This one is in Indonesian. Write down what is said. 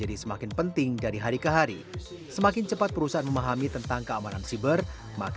itulah mengapa sektor bank dan keuangan di indonesia